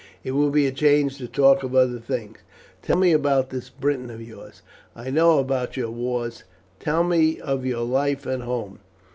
It will be a change to talk of other things. Tell me about this Britain of yours. I know about your wars, tell me of your life at home."